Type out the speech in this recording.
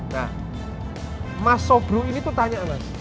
nah mas sobru ini tuh tanya emas